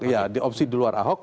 iya di opsi di luar ahok